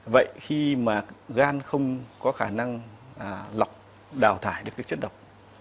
vậy khi mà gan không có khả năng lọc đào thải được cái chất độc